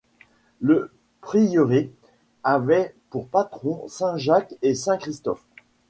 Le prieuré avait pour patrons saint Jacques et saint Christophe.